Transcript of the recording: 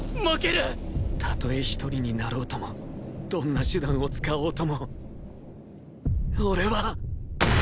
たとえ１人になろうともどんな手段を使おうとも俺は。